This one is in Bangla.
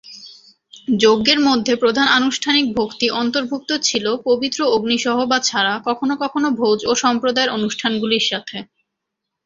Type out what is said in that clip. যজ্ঞের মধ্যে প্রধান আনুষ্ঠানিক ভক্তি অন্তর্ভুক্ত ছিল, পবিত্র অগ্নি সহ বা ছাড়া, কখনও কখনও ভোজ ও সম্প্রদায়ের অনুষ্ঠানগুলির সাথে।